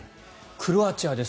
クロアチアです。